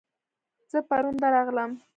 زه پرون درغلم